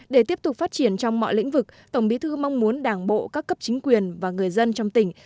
để tiếp tục phát triển trong mọi lĩnh vực tổng bí thư mong muốn đảng bộ các cấp chính quyền và người dân trong tỉnh